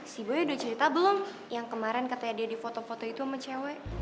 si boya udah cerita belum yang kemarin katanya dia di foto foto itu sama cewek